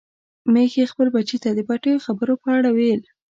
ميښې خپل بچي ته د پټو خبرو په اړه ویل.